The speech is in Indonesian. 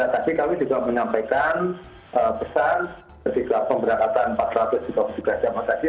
tadi kami juga menyampaikan pesan ketika pemberantasan empat ratus tiga puluh tiga jemaah tadi